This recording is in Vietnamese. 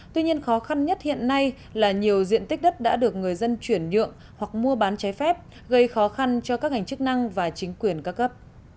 tuy nhiên khó khăn nhất hiện nay là nhiều diện tích đất đã được người dân chuyển nhượng hoặc mua bán trái phép gây khó khăn cho các ngành chức năng và chính quyền ca cấp